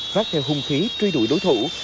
phát theo hung khí truy đuổi đối thủ